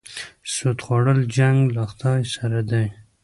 سود خوړل جنګ له خدای سره دی.